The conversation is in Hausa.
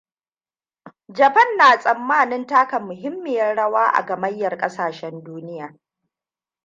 Japan na tsammanin taka muhimmiyar rawa a gamayyar ƙasashen duniya.